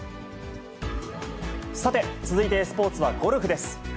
さて、続いてスポーツはゴルフです。